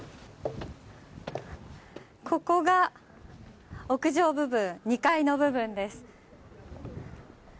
ここが屋上部分２階の部分です。